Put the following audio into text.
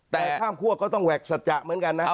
แต่ข้ามคั่วก็ต้องแหวกสัจจะเหมือนกันนะ